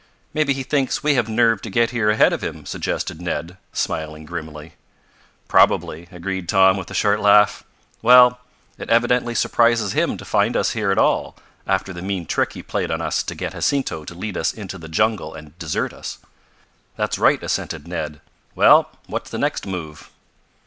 "Maybe he thinks we have nerve to get here ahead of him," suggested Ned, smiling grimly. "Probably," agreed Tom, with a short laugh. "Well, it evidently surprises him to find us here at all, after the mean trick he played on us to get Jacinto to lead us into the jungle and desert us." "That's right," assented Ned. "Well, what's the next move?"